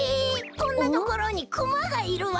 こんなところにクマがいるわ！